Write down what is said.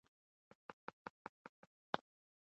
آیا د هغې پر قبر اختلاف شته؟